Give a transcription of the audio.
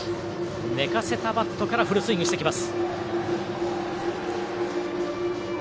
寝かせたバットからフルスイングしてきます。